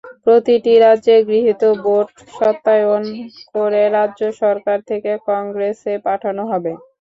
প্রতিটি রাজ্যে গৃহীত ভোট সত্যায়ন করে রাজ্য সরকার থেকে কংগ্রেসে পাঠানো হবে।